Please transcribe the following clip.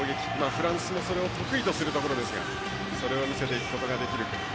フランスもそれを得意とするところですがそれを見せていくことができるか。